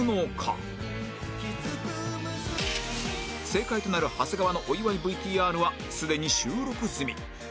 正解となる長谷川のお祝い ＶＴＲ はすでに収録済み